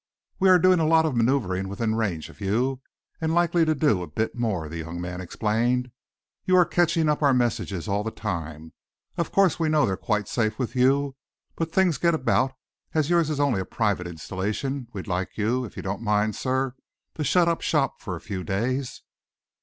"We are doing a lot of manoeuvring within range of you, and likely to do a bit more," the young man explained. "You are catching up our messages all the time. Of course, we know they're quite safe with you, but things get about. As yours is only a private installation, we'd like you, if you don't mind, sir, to shut up shop for a few days."